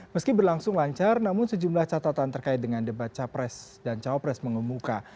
meski berlangsung lancar namun sejumlah catatan terkait dengan debat capres dan cawapres mengemuka